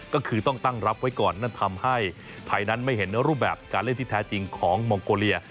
ก็คือต้องตั้งรับไว้ก่อนนั่นทำให้ไทยนั้นไม่เห็นรูปแบบการเล่นที่แท้จริงของมองโกเลีย